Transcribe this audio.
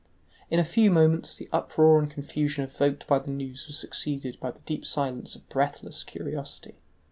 In a few moments the uproar and confusion evoked by the news was succeeded by the deep silence of breathless curiosity.